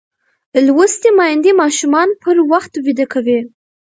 لوستې میندې ماشومان پر وخت ویده کوي.